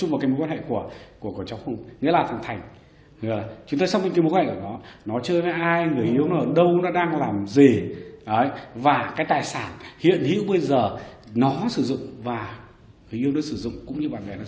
và người yêu nó sử dụng cũng như bạn gái nó sử dụng